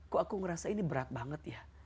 kok aku ngerasa ini berat banget ya